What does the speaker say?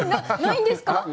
ないんですか？